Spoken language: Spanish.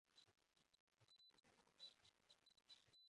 Nace en el municipio guipuzcoano de Pasajes.